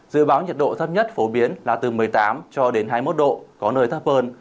dự báo nhiệt độ thấp nhất phổ biến là từ một mươi tám cho đến hai mươi một độ có nơi thấp hơn